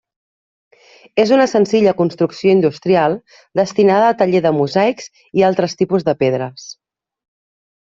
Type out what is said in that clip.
És una senzilla construcció industrial destinada a taller de mosaics i altres tipus de pedres.